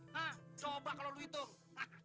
hah coba kalau lu hitung